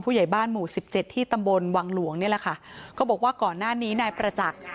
ใหญ่บ้านหมู่สิบเจ็ดที่ตำบลวังหลวงนี่แหละค่ะก็บอกว่าก่อนหน้านี้นายประจักษ์